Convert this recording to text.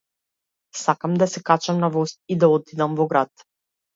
Сакам да се качам на воз и да одам во град.